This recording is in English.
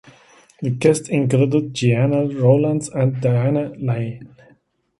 The cast included Gena Rowlands and Diane Lane.